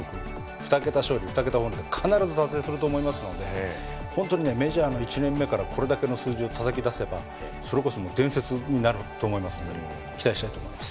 ２桁勝利２桁本塁打必ず達成すると思いますので本当にメジャーの１年目からこれだけの数字をたたき出せばそれこそ伝説になると思いますので期待したいと思います。